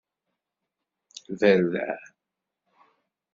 Berdeɛ.